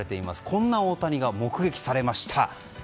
こんな大谷が目撃されました。